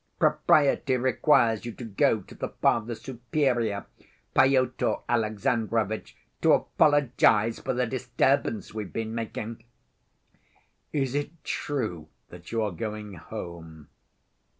Propriety requires you to go to the Father Superior, Pyotr Alexandrovitch, to apologize for the disturbance we've been making...." "Is it true that you are going home?